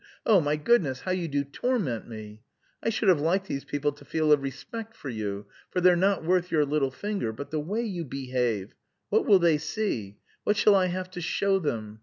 Oh, my goodness, how you do torment me!... I should have liked these people to feel a respect for you, for they're not worth your little finger but the way you behave!... What will they see? What shall I have to show them?